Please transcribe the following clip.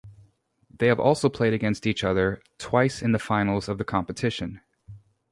They have also played against each other twice in the finals of the competition.